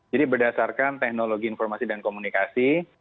jadi berdasarkan teknologi informasi dan komunikasi